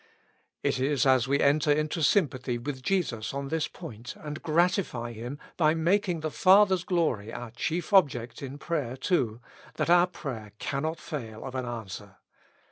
It is as we enter into sympathy with Jesus on this point, and gratify Him by making the Father's glory our chief object in prayer too, that our prayer cannot fail of an answer.